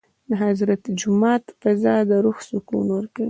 د خضري جومات فضا د روح سکون ورکوي.